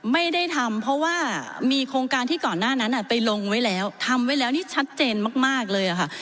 ไม่ได้ทำเพราะว่ามีโครงการที่ก่อนหน้านั้นไปลงไว้แล้วทำไว้แล้วนี่ชัดเจนมากเลยค่ะ